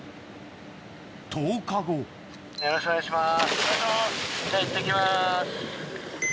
・よろしくお願いします